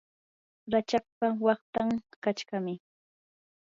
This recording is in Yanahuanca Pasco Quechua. rachakpa waqtan qachqami.